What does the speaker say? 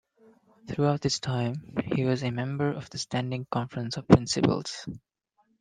Throughout this time, he was a member of the Standing Conference of Principals.